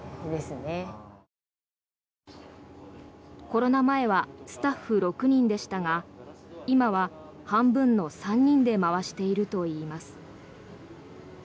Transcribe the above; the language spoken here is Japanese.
コロナ前はスタッフ６人でしたが今は半分の３人で回しているといいます。